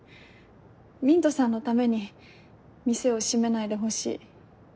ミントさんのために店を閉めないでほしい。